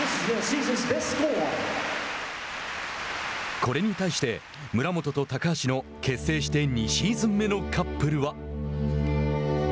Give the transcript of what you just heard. これに対して村元と高橋の結成して２シーズン目のカップルは。